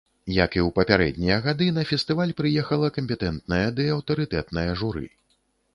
Як і ў папярэднія гады, на фестываль прыехала кампетэнтнае ды аўтарытэтнае журы.